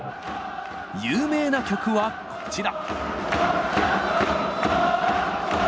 有名な曲はこちら。